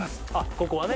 ここはね